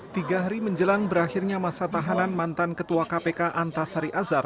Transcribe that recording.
tiga hari menjelang berakhirnya masa tahanan mantan ketua kpk antasari azhar